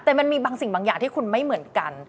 แต่มันมีบางสิ่งบางอย่างที่คุณไม่เหมือนกัน